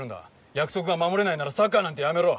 約束が守れないならサッカーなんてやめろ。